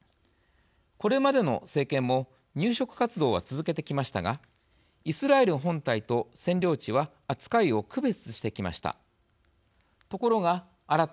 これまでの政権も入植活動は続けてきましたがイスラエル本体と占領地は扱いを区別してきました。